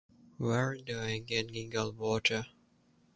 Where do i get giggle water?